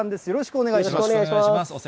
よろしくお願いします。